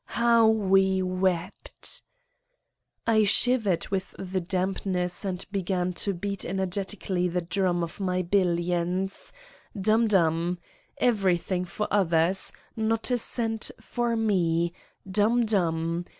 How we wept ! I shivered with the dampness and began to beat energetically the drum of my billions : dum dum ! Everything for others, not a cent for me: dum dum!